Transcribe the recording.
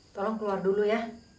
tolong keluar dulu ya